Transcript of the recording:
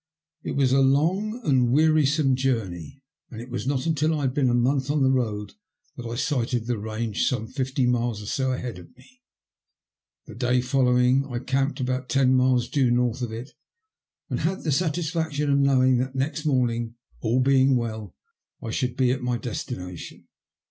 It was a long and wearisome journey, and it was not until I had been a month on the road that I sighted the range some fifty miles or so ahead of me. The day following I camped about ten miles due north of it, and had the satisfaction of knowing that next morning, all being well, I should be at my destination.